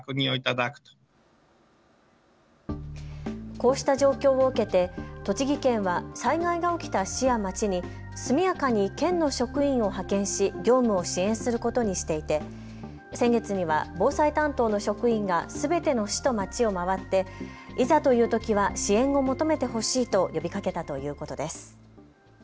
こうした状況を受けて栃木県は災害が起きた市や町に速やかに県の職員を派遣し業務を支援することにしていて先月には防災担当の職員がすべての市と町を回っていざというときは支援を求めてほしいと呼びかけたということです。